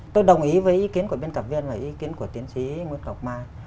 tôi đồng ý với ý kiến của biên tập viên và ý kiến của tiến sĩ nguyễn ngọc mai